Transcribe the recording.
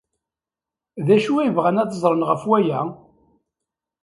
D acu ay bɣan ad t-ẓren ɣef waya?